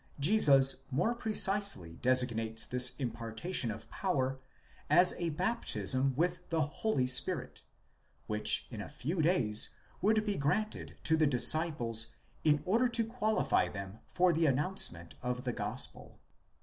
Jesus more precisely designates this impartation of power as a baptism with the Holy Spirit, πνεῦμα ἅγιον, which in a few days. would be granted to the disciples in order to qualify them for the announce ment of the gospel.